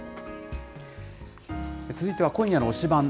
続いては今夜の推しバン！